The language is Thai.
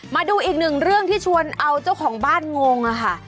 มาดูอีกหนึ่งเรื่องที่ชวนเอาเจ้าของบ้านงงอะค่ะ